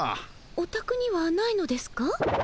おたくにはないのですか？